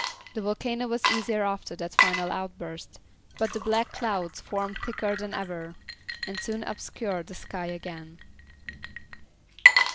The volcano was easier after that final outburst, but the black clouds formed thicker than ever, and soon obscured the sky again.